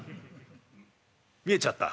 「見えちゃった」。